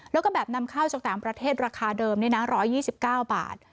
แล้วก็แบบนำข้าวจากต่างประเทศราคาเดิม๑๒๙บาท